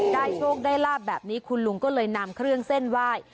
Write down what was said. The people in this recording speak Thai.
โชคได้ลาบแบบนี้คุณลุงก็เลยนำเครื่องเส้นไหว้